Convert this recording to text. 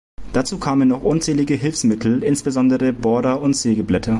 Dazu kamen noch unzählige Hilfsmittel, insbesondere Bohrer und Sägeblätter.